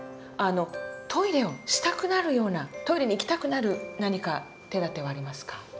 あのトイレをしたくなるようなトイレに行きたくなる何か手だてはありますか。